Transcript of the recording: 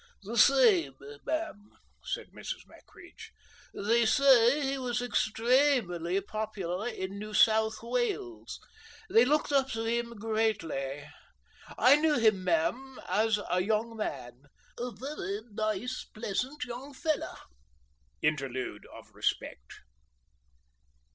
"The same, ma'am," said Mrs. Mackridge. "They say he was extremelay popular in New South Wales. They looked up to him greatlay. I knew him, ma'am, as a young man. A very nice pleasant young fella." Interlude of respect.